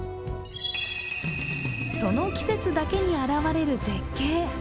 その季節だけに現れる絶景。